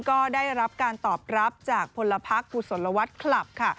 ก็ได้รับการตอบรับจากผลพลักษณ์บุษลวัฒน์คลับ